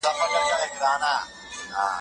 ستوری تللی و،